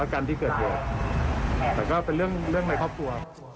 การที่เกิดเหตุแต่ก็เป็นเรื่องในครอบครัว